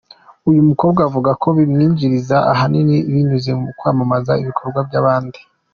Uyu mukobwa avuga ko bimwinjiriza ahanini binyuze mu kwamamaza ibikorwa by’abandi.